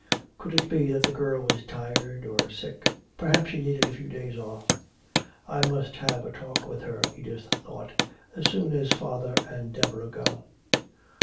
Could it be that the girl was tired or sick? Perhaps she needed a few days off. "I must have a talk with her," Edith thought, "as soon as father and Deborah go."